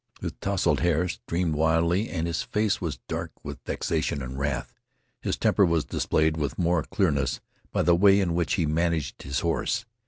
His tousled hair streamed wildly, and his face was dark with vexation and wrath. His temper was displayed with more clearness by the way in which he managed his horse.